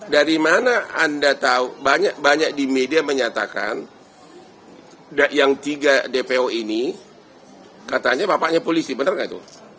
dari mana anda tahu banyak banyak di media menyatakan yang tiga dpo ini katanya bapaknya polisi benar nggak itu